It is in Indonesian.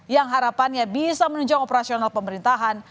yang harapannya bisa menunjang operasional pemerintahan